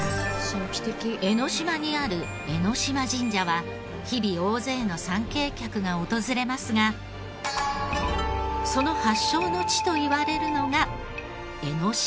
江の島にある江島神社は日々大勢の参詣客が訪れますがその発祥の地といわれるのが江の島岩屋。